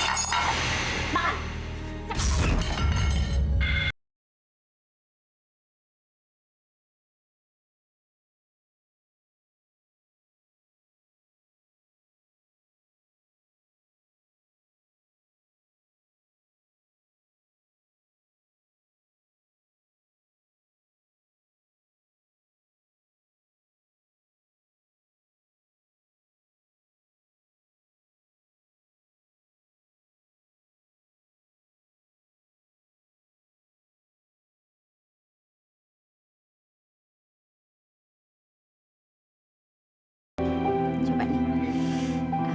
jangan sempuk imposed via